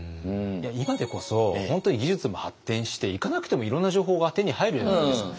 今でこそ本当に技術も発展して行かなくてもいろんな情報が手に入るじゃないですか。